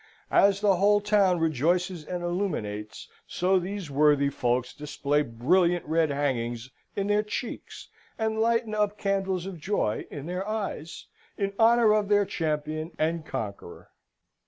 As the whole town rejoices and illuminates, so these worthy folks display brilliant red hangings in their cheeks, and light up candles of joy in their eyes, in honour of their champion and conqueror.